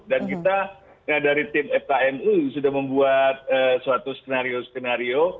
dan kita dari tim fkmu sudah membuat suatu skenario skenario